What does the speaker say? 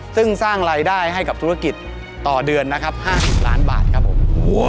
ซึ่งสร้างรายได้ให้กับธุรกิจต่อเดือนนะครับ๕๐ล้านบาทครับผม